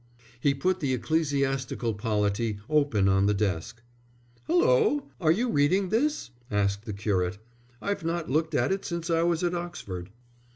He put the Ecclesiastical Polity open on the desk. "Hulloa, are you reading this?" asked the curate. "I've not looked at it since I was at Oxford."